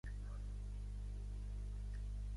El seu director de tesi va ser Tenney Frank.